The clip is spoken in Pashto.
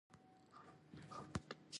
افغانستان په وګړي باندې تکیه لري.